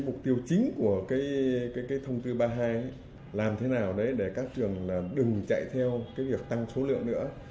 mục tiêu chính của thông tư ba mươi hai là làm thế nào để các trường đừng chạy theo việc tăng số lượng nữa